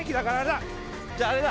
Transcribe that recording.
じゃあれだ。